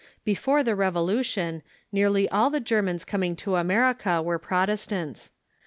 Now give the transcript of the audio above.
Before the Revolution nearly all the Germans coming to America were Protestants.